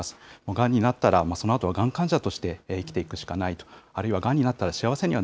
がんになったら、そのあとはがん患者として生きていくしかないと、あるいはがんになったら幸せには